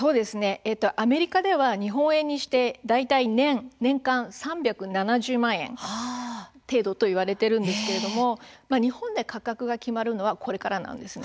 アメリカでは日本円にして大体、年３７０万円程度といわれているんですが日本で価格が決まるのはこれからなんです。